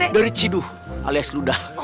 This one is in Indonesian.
dari ciduh alias ludah